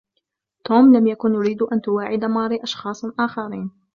توم لم يكن يريد أن تواعد ماري أشخاصا آخرين.